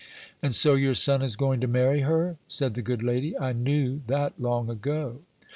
"And so your son is going to marry her?" said the good lady; "I knew that long ago."